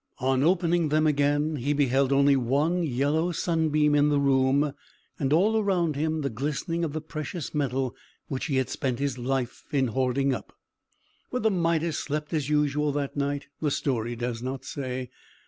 On opening them again, he beheld only one yellow sunbeam in the room, and, all around him, the glistening of the precious metal which he had spent his life in hoarding up. Whether Midas slept as usual that night, the story does not say.